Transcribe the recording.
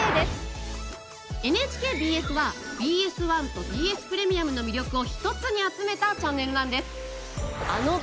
ＮＨＫＢＳはＢＳ１とＢＳプレミアムの魅力を一つに集めたチャンネルなんです。